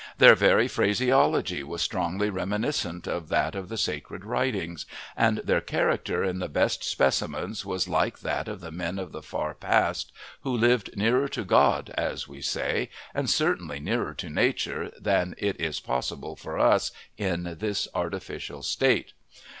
Their very phraseology was strongly reminiscent of that of the sacred writings, and their character in the best specimens was like that of the men of the far past who lived nearer to God, as we say, and certainly nearer to nature than it is possible for us in this artificial state.